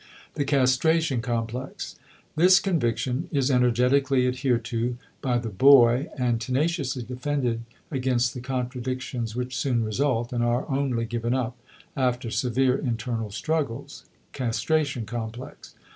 *The Castration Complex.* This conviction is energetically adhered to by the boy and tenaciously defended against the contradictions which soon result, and are only given up after severe internal struggles (castration complex).